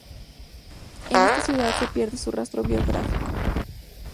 En esta ciudad se pierde su rastro biográfico.